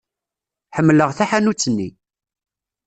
Ḥemmleɣ taḥanut-nni.